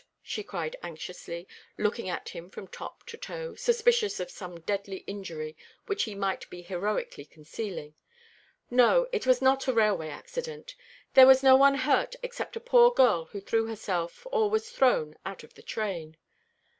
she cried anxiously, looking at him from top to toe, suspicious of some deadly injury which he might be heroically concealing. "No, it was not a railway accident. There is no one hurt except a poor girl who threw herself, or was thrown, out of the train."